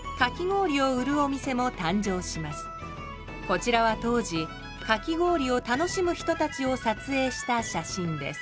こちらは当時かき氷を楽しむ人たちを撮影した写真です